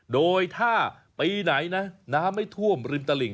โดยถ้าปีไหนนะน้ำไม่ท่วมริมตลิ่ง